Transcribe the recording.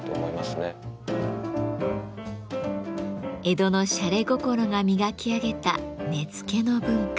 江戸のしゃれ心が磨き上げた根付の文化。